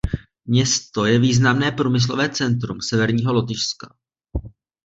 Město je významné průmyslové centrum severního Lotyšska.